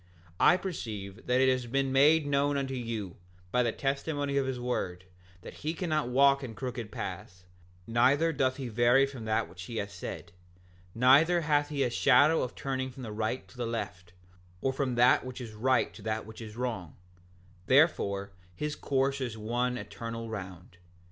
7:20 I perceive that it has been made known unto you, by the testimony of his word, that he cannot walk in crooked paths; neither doth he vary from that which he hath said; neither hath he a shadow of turning from the right to the left, or from that which is right to that which is wrong; therefore, his course is one eternal round.